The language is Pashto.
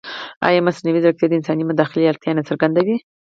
ایا مصنوعي ځیرکتیا د انساني مداخلې اړتیا نه څرګندوي؟